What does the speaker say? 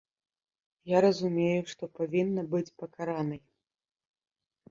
Я разумею, што павінна быць пакаранай.